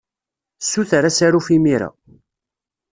Ssuter asaruf imir-a.